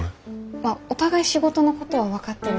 まあお互い仕事のことは分かってるし。